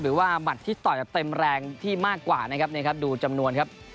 หมัดที่ต่อยแบบเต็มแรงที่มากกว่านะครับดูจำนวนครับ